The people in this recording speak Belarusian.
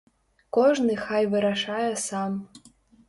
Кожны хай вырашае сам.